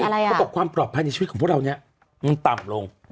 ไม่เพราะว่าความปลอดภัยในชีวิตของพวกเรานี่มันต่ำลง